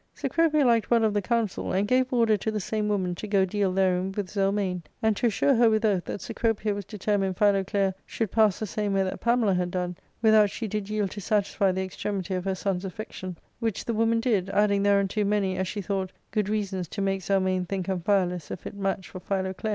Gecropia liked well of the counsel, and gave order to the same woman to go deal therein with Zelmane, and to assure her with oath that Cecropia was determined Philoclea should pass the same way that Pamela had done, without she did yield to satisfy the extremity of her son's affection, which the woman did, adding thereunto many, as she thought, good reasons to make Zelmane think Amphialus a fit match for Philoclea.